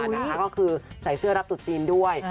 นะคะก็คือใส่เสื้อรับตุ๊จีนด้วย